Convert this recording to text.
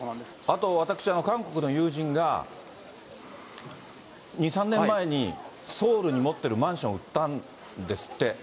あと、私、韓国の友人が、２、３年前に、ソウルに持ってるマンション売ったんですって。